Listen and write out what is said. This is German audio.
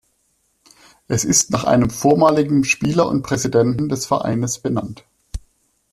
Es ist nach einem vormaligen Spieler und Präsidenten des Vereines benannt.